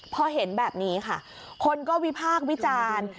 พอเห็นแบบนี้ค่ะคนก็วิพากษ์วิจารณ์